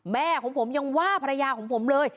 แม่ของผมยังว่าภรรยาของผมเลย